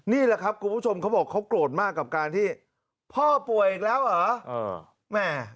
นี่แหละครับคุณผู้ชมเขาบอกเขาโกรธมากกับการที่พ่อป่วยอีกแล้วเหรอแม่